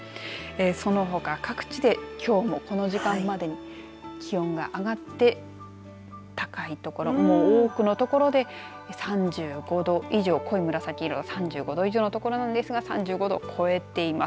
そのほか各地できょうもこの時間までに気温が上がって高いところ多くのところで３５度以上濃い紫色、３５度以上のところですが３５度を超えています。